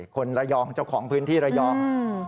คนระยองเจ้าของพื้นที่ระยอง